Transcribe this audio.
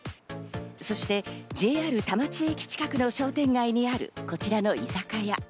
そしてＪＲ田町駅近くの商店街にあるこちらの居酒屋。